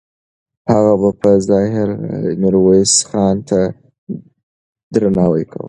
هغه به په ظاهره میرویس خان ته درناوی کاوه.